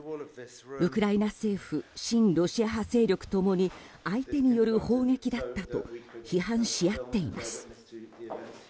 ウクライナ政府親ロシア派勢力共に相手による砲撃だったと批判し合っています。